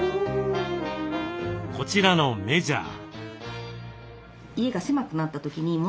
こちらのメジャー。